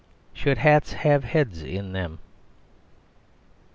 "Should Hats have Heads in them?"